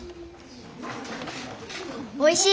おいしい！